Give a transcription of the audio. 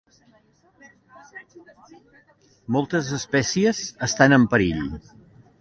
Moltes espècies estan en perill.